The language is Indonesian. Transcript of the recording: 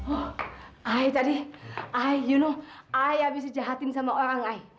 oh i tadi i you know i habis dijahatin sama orang i